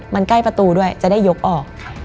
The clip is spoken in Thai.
มันใกล้ประตูด้วยจะได้ยกออก